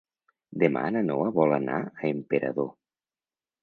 Demà na Noa vol anar a Emperador.